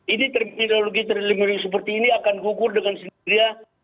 ini terminologi terminologi seperti ini akan kukur dengan sendiri